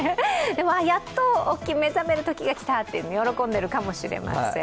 やっと目覚めるときが来たと喜んでるかもしれません。